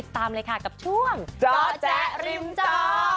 ตามเลยค่ะกับช่วงจ๊อแจ